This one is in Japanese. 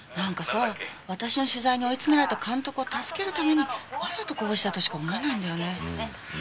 私の取材に追い詰められた監督を助けるためにわざとこぼしたとしか思えないのよね。